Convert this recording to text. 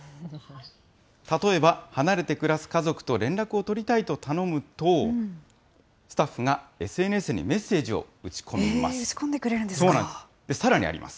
例えば、離れて暮らす家族と連絡を取りたいと頼むと、スタッフがＳＮＳにメッセージを打ち込んでいます。